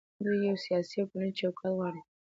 دوی یو سیاسي او ټولنیز چوکاټ غواړي.